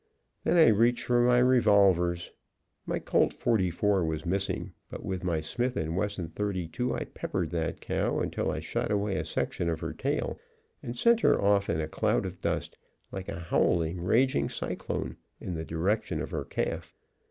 Then I reached for my revolvers. My Colt 44 was missing, but with my Smith & Wesson 32, I peppered that cow, until I shot away a section of her tail, and sent her off in a cloud of dust like a howling, raging cyclone in the direction of her calf.